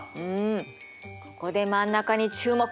ここで真ん中に注目！